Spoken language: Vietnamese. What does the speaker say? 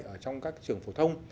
ở trong các trường phổ thông